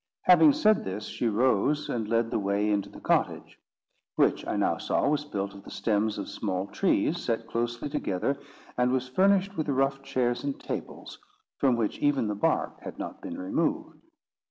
Having said this, she rose and led the way into the cottage; which, I now saw, was built of the stems of small trees set closely together, and was furnished with rough chairs and tables, from which even the bark had not been removed.